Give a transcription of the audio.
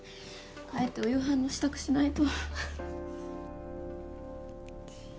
帰ってお夕飯の支度しないと。